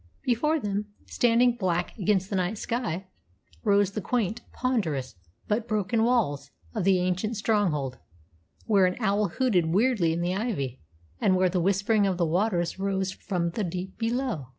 Before them, standing black against the night sky, rose the quaint, ponderous, but broken walls of the ancient stronghold, where an owl hooted weirdly in the ivy, and where the whispering of the waters rose from the deep below.